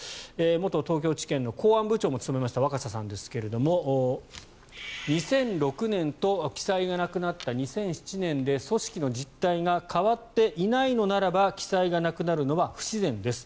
元東京地検の公安部長も務めました若狭さんですが２００６年と記載がなくなった２００７年で組織の実態が変わっていないのならば記載がなくなるのは不自然です。